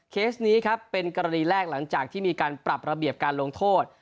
เคสนี้ครับเป็นกรณีแรกหลังจากที่มีการปรับระเบียบการลงโทษ